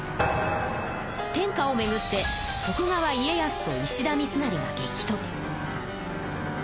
天下をめぐって徳川家康と石田三成が激とつ。